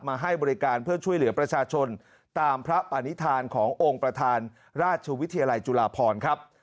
ให้บริการเพื่อช่วยเหลือประชาชนตามพระปณิธานขององค์ประธานราชวิทยาลัยจุฬาพรครับ